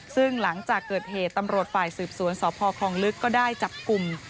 ซึ่งหลังจากเกิดเหตุตำรวจฝ่ายสืบสวนสพคลองลึกก็ได้จับกลุ่ม